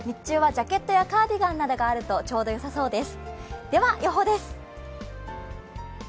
日中はジャケットやカーディガンがあるとちょうどよさそうです。